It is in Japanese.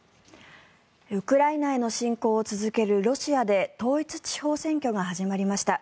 ウクライナへの侵攻を続けるロシアで統一地方選挙が始まりました。